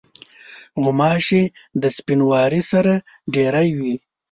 غوماشې د سپینواري سره ډېری وي.